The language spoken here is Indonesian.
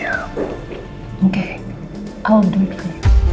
oke aku akan buat untukmu